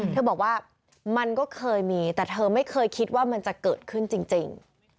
เธอบอกว่ามันก็เคยมีแต่เธอไม่เคยคิดว่ามันจะเกิดขึ้นจริง